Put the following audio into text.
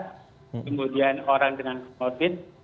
kemudian orang dengan covid